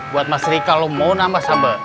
buat mas rika lo mau nambah sambel